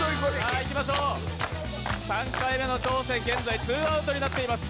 ３回目の挑戦、現在ツーアウトになっています。